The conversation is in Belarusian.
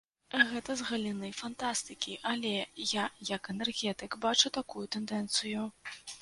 Гэта з галіны фантастыкі, але я як энергетык бачу такую тэндэнцыю.